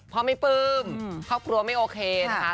พ่อไม่ปลื้มครอบครัวไม่โอเคนะคะ